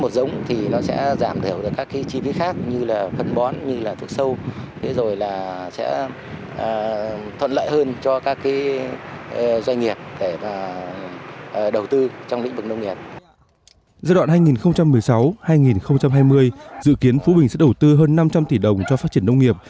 giai đoạn hai nghìn một mươi sáu hai nghìn hai mươi dự kiến phú bình sẽ đầu tư hơn năm trăm linh tỷ đồng cho phát triển nông nghiệp